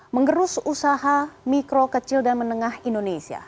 mengerus usaha mikro kecil dan menengah indonesia